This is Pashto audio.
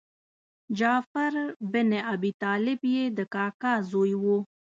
جعفر بن ابي طالب یې د کاکا زوی و.